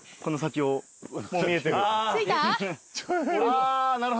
あなるほど。